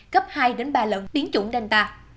gấp hai ba lần biến chủng delta